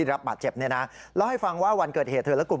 คิดแรกแบบนี้ประชาชนกว่าแรงกว่านี้มาก